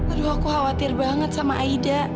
aduh aku khawatir banget sama aida